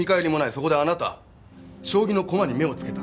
そこであなた将棋の駒に目をつけた。